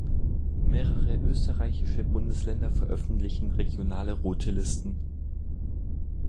Mehrere österreichische Bundesländer veröffentlichen regionale Rote Listen.